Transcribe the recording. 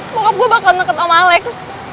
bokap gue bakal neket sama alex